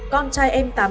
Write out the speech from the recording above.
con trai em tám năm